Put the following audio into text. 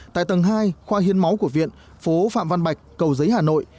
tại tầng hai khoa hiến máu của viện phố phạm văn bạch cầu giấy hà nội